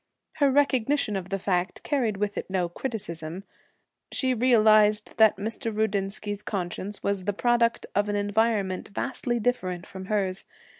Her recognition of the fact carried with it no criticism. She realized that Mr. Rudinsky's conscience was the product of an environment vastly different from hers.